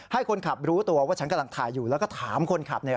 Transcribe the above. ให้คนขับรู้ตัวว่าฉันกำลังถ่ายอยู่แล้วก็ถามคนขับเนี่ย